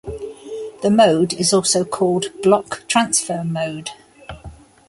The mode is also called "Block Transfer Mode".